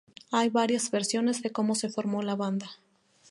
Hay varias versiones de cómo se formó la banda.